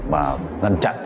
và ngăn chặn